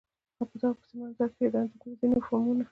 او په دغه پس منظر کښې د انګرېزي نور فلمونه هم